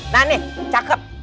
nah nih cakep